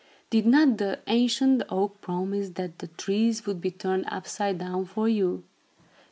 Did not the ancient oak promise that the trees would be turned upside down for you?